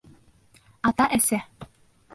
Ата-әсә